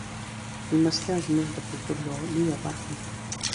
میلمستیا زموږ د کلتور یوه لویه برخه ده.